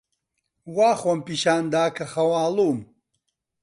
وا خۆم پیشان دا کە خەواڵووم.